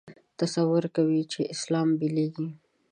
تصور کوي چې اسلام بېلېږي.